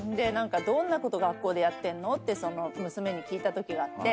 どんなこと学校でやってんの？って娘に聞いたときがあって。